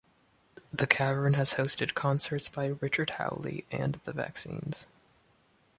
The cavern has hosted concerts by Richard Hawley and The Vaccines.